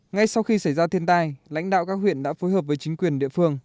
ngay sau khi xảy ra thiên tai lãnh đạo các huyện đã phối hợp với chính quyền địa phương